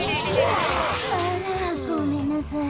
あらごめんなさい。